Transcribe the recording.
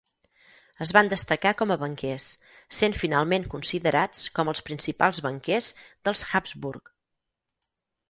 Es van destacar com a banquers, sent finalment considerats com els principals banquers dels Habsburg.